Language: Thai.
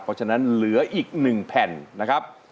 เพราะฉะนั้นเหลืออีก๑แผ่นนะครับ